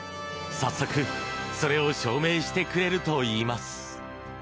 早速、それを証明してくれるといいます。